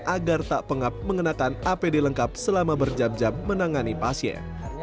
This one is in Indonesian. agar tak pengap mengenakan apd lengkap selama berjam jam menangani pasien